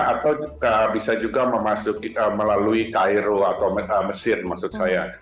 atau bisa juga melalui cairo atau mesir maksud saya